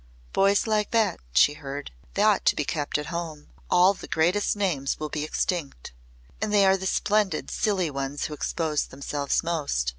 "Boys like that," she heard. "They ought to be kept at home. All the greatest names will be extinct. And they are the splendid, silly ones who expose themselves most.